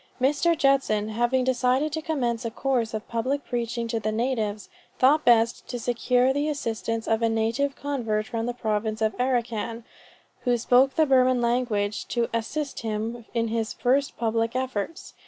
Mr. Judson having decided to commence a course of public preaching to the natives, thought best to secure the assistance of a native convert from the province of Arracan, who spoke the Burman language, to assist him in his first public efforts.